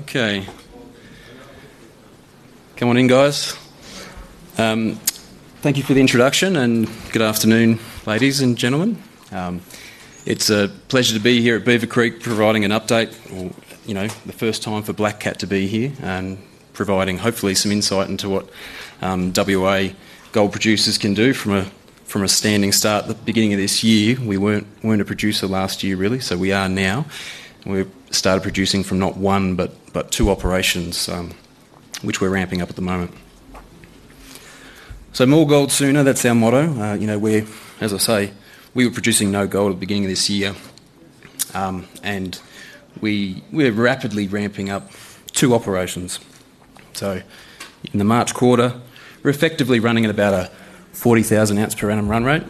Okay. Come on in, guys. Thank you for the introduction and good afternoon, ladies and gentlemen. It's a pleasure to be here at Beaver Creek providing an update, or you know, the first time for Black Cat to be here and providing hopefully some insight into what WA gold producers can do from a standing start at the beginning of this year. We weren't a producer last year, really, so we are now. We started producing from not one, but two operations, which we're ramping up at the moment. More gold sooner, that's our motto. As I say, we were producing no gold at the beginning of this year, and we're rapidly ramping up two operations. In the March quarter, we're effectively running at about a 40,000 oz per annum run rate.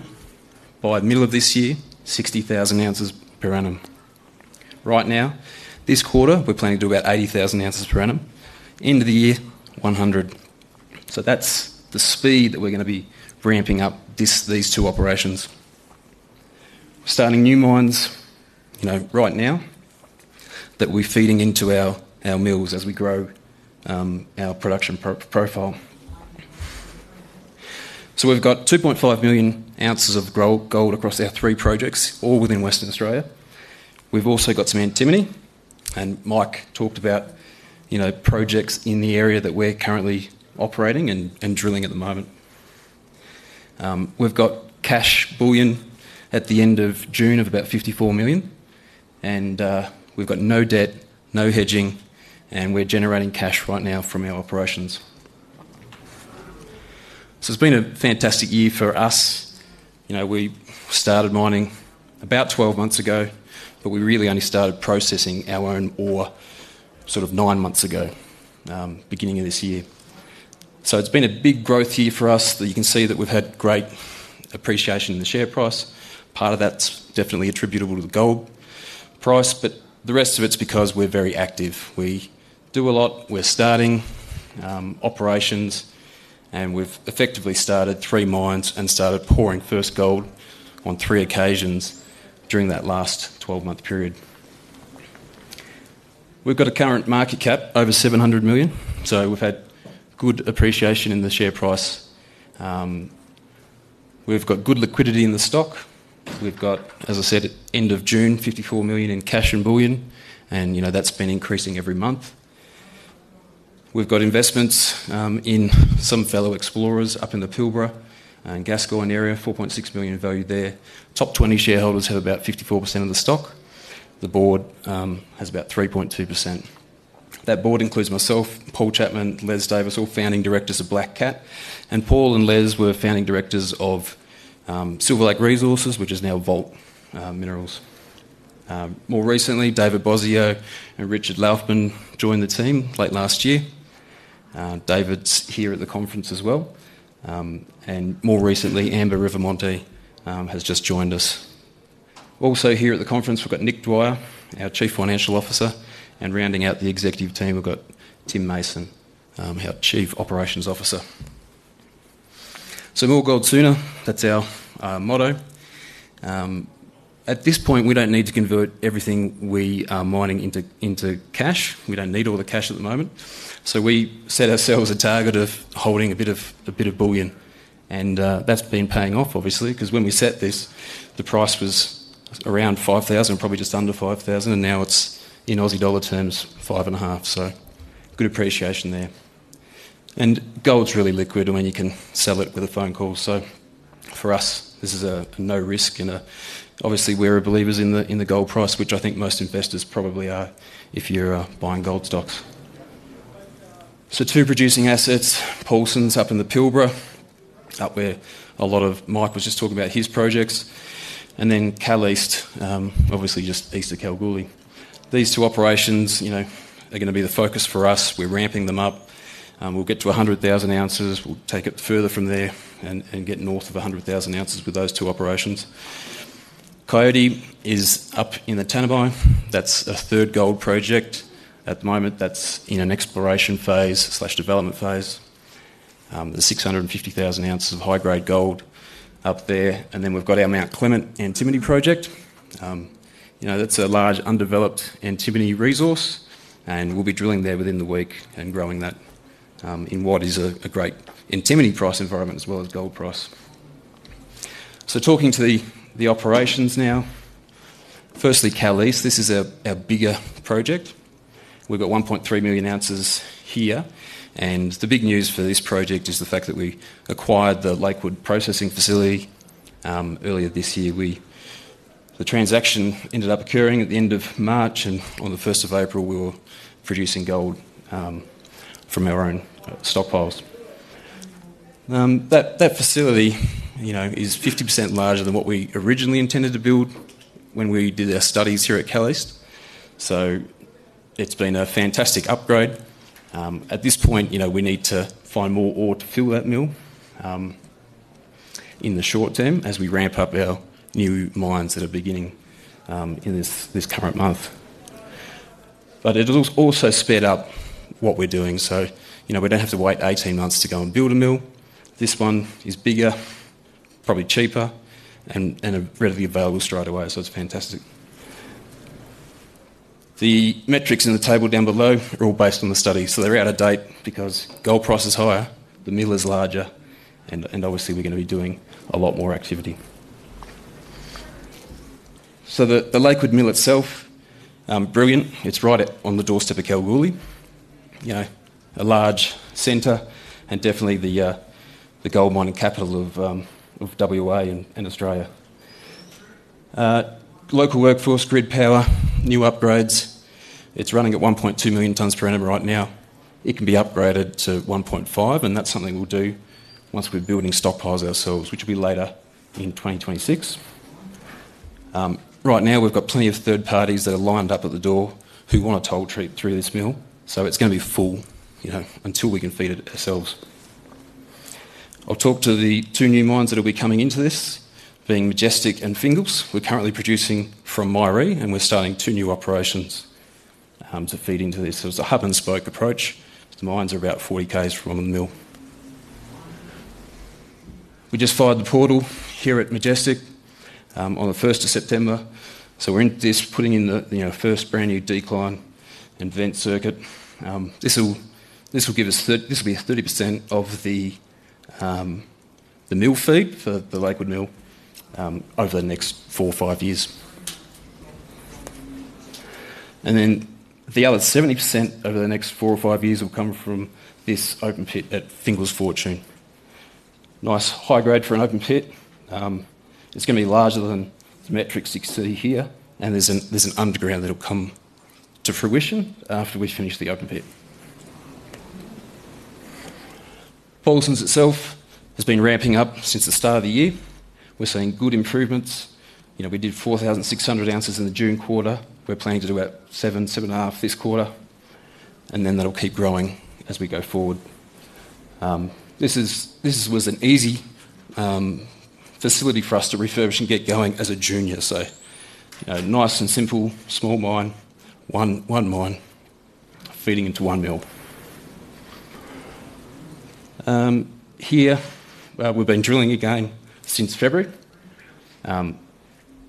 By the middle of this year, 60,000 oz per annum. Right now, this quarter, we're planning to do about 80,000 oz per annum. End of the year, 100,000 oz. That's the speed that we're going to be ramping up these two operations. Starting new mines right now that we're feeding into our mills as we grow our production profile. We've got 2.5 million oz of gold across our three projects, all within Western Australia. We've also got some antimony, and Mike talked about projects in the area that we're currently operating and drilling at the moment. We've got cash bullion at the end of June of about 54 million, and we've got no debt, no hedging, and we're generating cash right now from our operations. It's been a fantastic year for us. We started mining about 12 months ago, but we really only started processing our own ore sort of nine months ago, beginning of this year. It's been a big growth year for us. You can see that we've had great appreciation in the share price. Part of that's definitely attributable to the gold price, but the rest of it's because we're very active. We do a lot. We're starting operations, and we've effectively started three mines and started pouring first gold on three occasions during that last 12-month period. We've got a current market cap over 700 million, so we've had good appreciation in the share price. We've got good liquidity in the stock. We've got, as I said, at the end of June, 54 million in cash and bullion, and that's been increasing every month. We've got investments in some fellow explorers up in the Pilbara and Gascoyne area, 4.6 million in value there. Top 20 shareholders have about 54% of the stock. The board has about 3.2%. That board includes myself, Paul Chapman, and Les Davis, all Founding Directors of Black Cat. Paul and Les were Founding Directors of Silver Lake Resources, which is now Vault Minerals. More recently, David Bosio and Richard Laufman joined the team late last year. David's here at the conference as well. More recently, Amber Rivamonte has just joined us. Also here at the conference, we've got Nick Dwyer, our Chief Financial Officer, and rounding out the executive team, we've got Tim Mason, our Chief Operations Officer. More gold sooner, that's our motto. At this point, we don't need to convert everything we are mining into cash. We don't need all the cash at the moment. We set ourselves a target of holding a bit of bullion. That's been paying off, obviously, because when we set this, the price was around 5,000, probably just under 5,000, and now it's in Aussie dollar terms, five and a half. Good appreciation there. Gold's really liquid when you can sell it with a phone call. For us, this is a no risk. Obviously, we're believers in the gold price, which I think most investors probably are if you're buying gold stocks. Two producing assets, Poulson’s up in the Pilbara, up where a lot of Mike was just talking about his projects, and then Kal East, obviously just east of Kalgoorlie. These two operations are going to be the focus for us. We're ramping them up. We'll get to 100,000 oz. We'll take it further from there and get north of 100,000 oz with those two operations. Coyote is up in the Tanami. That's a third gold project at the moment. That's in an exploration phase slash development phase. The 650,000 oz of high-grade gold up there. Then we've got our Mount Clement antimony project. That's a large undeveloped antimony resource. We'll be drilling there within the week and growing that in what is a great antimony price environment as well as gold price. Talking to the operations now, firstly, Kal East, this is a bigger project. We've got 1.3 million oz here. The big news for this project is the fact that we acquired the Lakewood processing facility earlier this year. The transaction ended up occurring at the end of March, and on the 1st of April, we were producing gold from our own stockpiles. That facility is 50% larger than what we originally intended to build when we did our studies here at Kal East. It's been a fantastic upgrade. At this point, we need to find more ore to fill that mill in the short term as we ramp up our new mines that are beginning in this current month. It has also sped up what we're doing. We don't have to wait 18 months to go and build a mill. This one is bigger, probably cheaper, and readily available straight away. It's fantastic. The metrics in the table down below are all based on the study. They're out of date because gold price is higher, the mill is larger, and obviously we're going to be doing a lot more activity. The Lakewood processing facility itself, brilliant. It's right on the doorstep of Kalgoorlie, a large center and definitely the gold mining capital of Western Australia and Australia. Local workforce, grid power, new upgrades. It's running at 1.2 million tons per annum right now. It can be upgraded to 1.5 million, and that's something we'll do once we're building stockpiles ourselves, which will be later in 2026. Right now, we've got plenty of third parties that are lined up at the door who want to toll treat through this mill. It's going to be full until we can feed it ourselves. I'll talk to the two new mines that will be coming into this, being Majestic and Fingals. We're currently producing from Myrie, and we're starting two new operations to feed into this. It's a hub-and-spoke mining approach. The mines are about 40 km from the mill. We just fired the portal here at Majestic on the 1st of September. We're just putting in the first brand new decline and vent circuit. This will be 30% of the mill feed for the Lakewood mill over the next four or five years. The other 70% over the next four or five years will come from this open pit at Fingals Fortune. Nice high grade for an open pit. It's going to be larger than the metrics you can see here. There's an underground that'll come to fruition after we finish the open pit. Poulson’s itself has been ramping up since the start of the year. We're seeing good improvements. We did 4,600 oz in the June quarter. We're planning to do about 7,000 oz, 7,500 oz this quarter. That'll keep growing as we go forward. This was an easy facility for us to refurbish and get going as a junior. Nice and simple, small mine, one mine feeding into one mill. Here, we've been drilling again since February.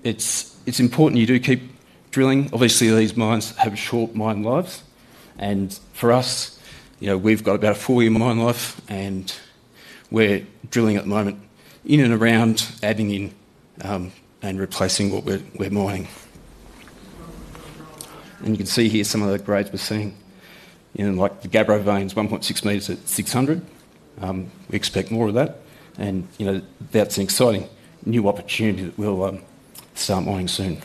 It's important you do keep drilling. Obviously, these mines have short mine lives. For us, you know, we've got about a four-year mine life, and we're drilling at the moment in and around, adding in and replacing what we're mining. You can see here some of the grades we're seeing in the gabbro veins, 1.6 m at 600. We expect more of that. That's an exciting new opportunity that we'll start mining soon.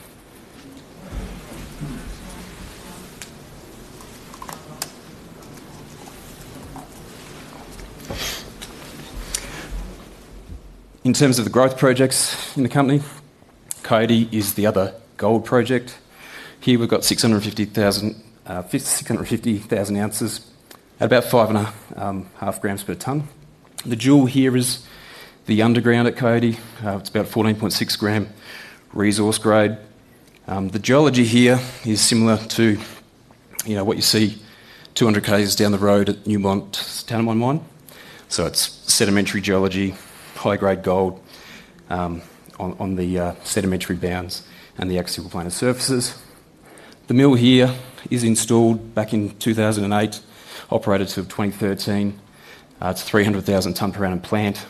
In terms of the growth projects in the company, Coyote is the other gold project. Here we've got 650,000 oz, about 5.5 g/ton. The jewel here is the underground at Coyote. It's about 14.6 g resource grade. The geology here is similar to what you see 200 km down the road at Newmont's Tanami mine. It's sedimentary geology, high-grade gold on the sedimentary bounds and the axial planar surfaces. The mill here was installed back in 2008, operated till 2013. It's a 300,000 ton per annum plant.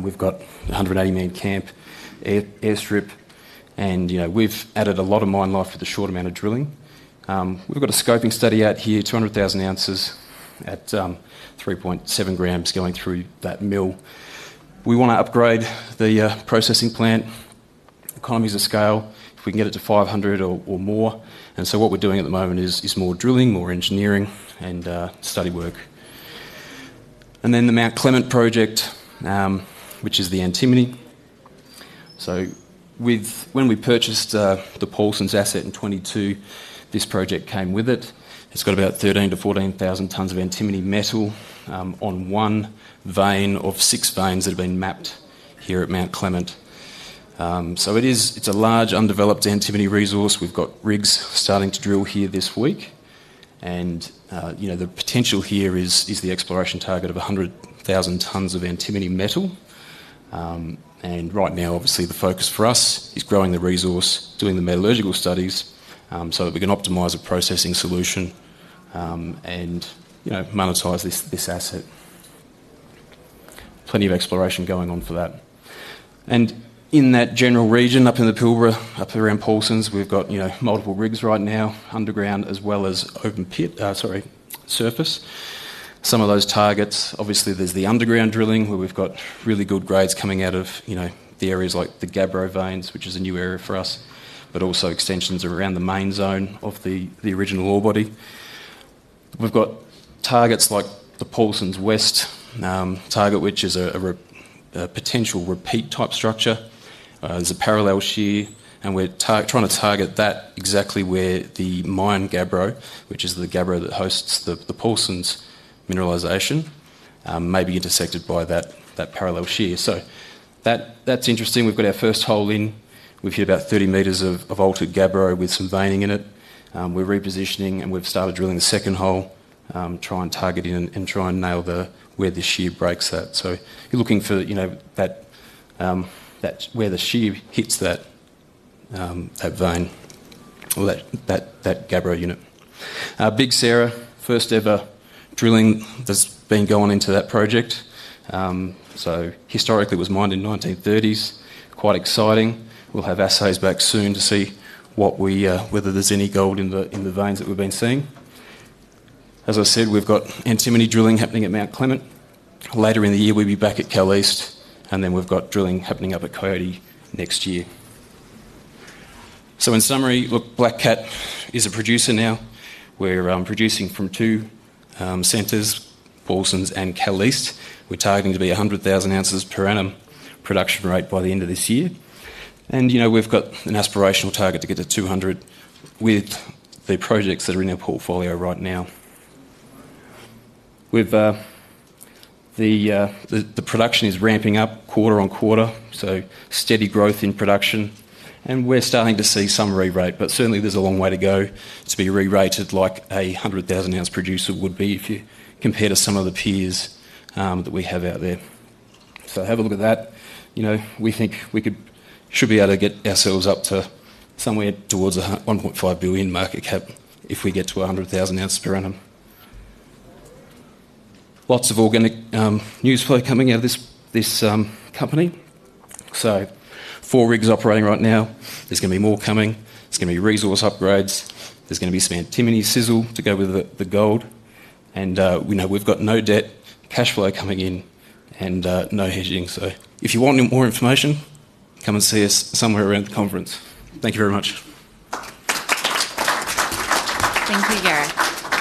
We've got a 180-man camp, airstrip, and we've added a lot of mine life with a short amount of drilling. We've got a scoping study out here, 200,000 oz at 3.7 g going through that mill. We want to upgrade the processing plant. Economies of scale, if we can get it to 500,000 or more. What we're doing at the moment is more drilling, more engineering, and study work. The Mount Clement project, which is the antimony. When we purchased the Poulson’s asset in 2022, this project came with it. It's got about 13,000 tons-14,000 tons of antimony metal on one vein of six veins that have been mapped here at Mount Clement. It is a large undeveloped antimony resource. We've got rigs starting to drill here this week. The potential here is the exploration target of 100,000 tons of antimony metal. Right now, obviously, the focus for us is growing the resource, doing the metallurgical studies so that we can optimize a processing solution and monetize this asset. Plenty of exploration going on for that. In that general region up in the Pilbara, up around Poulson’s, we've got multiple rigs right now, underground as well as surface. Some of those targets, obviously, there's the underground drilling where we've got really good grades coming out of the areas like the gabbro veins, which is a new area for us, but also extensions around the main zone of the original ore body. We've got targets like the Poulson’s West target, which is a potential repeat type structure. There's a parallel shear, and we're trying to target that exactly where the mine gabbro, which is the gabbro that hosts the Poulson’s mineralization, may be intersected by that parallel shear. That's interesting. We've got our first hole in. We've hit about 30 m of altered gabbro with some veining in it. We're repositioning, and we've started drilling the second hole, trying to target in and try and nail where the shear breaks that. You're looking for where the shear hits that vein, or that gabbro unit. Big Sarah, first ever drilling that's been going into that project. Historically, it was mined in the 1930s. Quite exciting. We'll have assays back soon to see whether there's any gold in the veins that we've been seeing. As I said, we've got antimony drilling happening at Mount Clement. Later in the year, we'll be back at Kal East, and we've got drilling happening up at Coyote next year. In summary, Black Cat is a producer now. We're producing from two centers, Poulson’s and Kal East. We're targeting to be 100,000 oz per annum production rate by the end of this year. We've got an aspirational target to get to 200,000 oz with the projects that are in their portfolio right now. The production is ramping up quarter-on-quarter, so steady growth in production. We're starting to see some re-rate, but certainly there's a long way to go to be re-rated like a 100,000 oz producer would be if you compare to some of the peers that we have out there. Have a look at that. We think we should be able to get ourselves up to somewhere towards a $1.5 billion market cap if we get to 100,000 oz per annum. Lots of organic news flow coming out of this company. Four rigs operating right now. There's going to be more coming. There's going to be resource upgrades. There's going to be some antimony sizzle to go with the gold. We've got no debt, cash flow coming in, and no hedging. If you want more information, come and see us somewhere around the conference. Thank you very much. Thank you, Gareth.